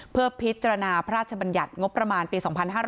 เพื่อพิจารณาพระราชบัญญัติงบประมาณปี๒๕๕๙